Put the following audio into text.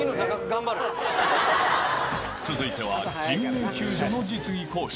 続いては人命救助の実技講習。